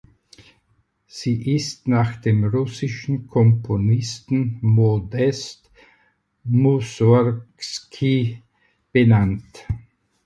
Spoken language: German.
Sie ist nach dem russischen Komponisten Modest Mussorgski benannt.